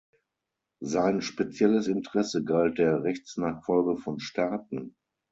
Sein spezielles Interesse galt der Rechtsnachfolge von Staaten.